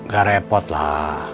gak repot lah